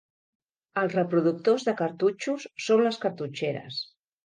Els reproductors de cartutxos són les cartutxeres.